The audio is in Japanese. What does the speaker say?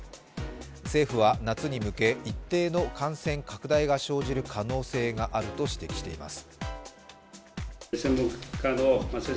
政府は夏に向け、一定の感染拡大が生じる可能性があると指摘しています。